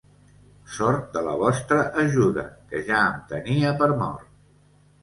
Sort de la vostra ajuda, que ja em tenia per mort.